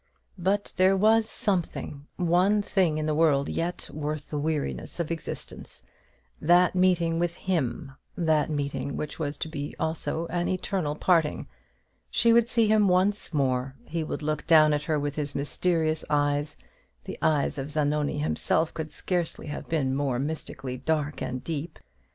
But there was something one thing in the world yet worth the weariness of existence that meeting with him that meeting which was to be also an eternal parting. She would see him once more; he would look down at her with his mysterious eyes the eyes of Zanoni himself could scarcely have been more mystically dark and deep.